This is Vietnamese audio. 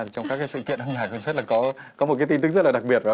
trong các sự kiện hôm nay có một tin tức rất là đặc biệt